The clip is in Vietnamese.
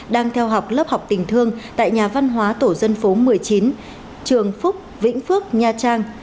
đang theo học lớp học tình thương tại nhà văn hóa tổ dân phố một mươi chín trường phúc vĩnh phước nha trang